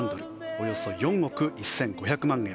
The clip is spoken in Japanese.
およそ４億１５００万円。